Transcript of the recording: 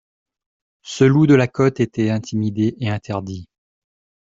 Ce loup de la côte était intimidé et interdit.